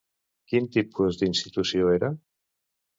Quin tipus d'institució era?